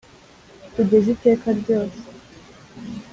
Kugeza iteka ryose